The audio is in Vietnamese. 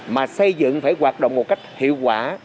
mà xây dựng phải hoạt động một cách hiệu quả